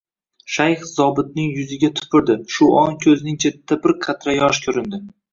Shayx zobitning yuziga tupurdi, shu on ko`zining chetida bir qatra yosh ko`rindi